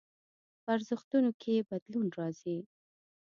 په ارزښتونو کې يې بدلون راځي.